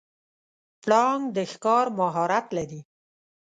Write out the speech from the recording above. پړانګ د ښکار مهارت لري.